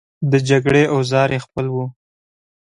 د جګړې اوزار یې خپل وو.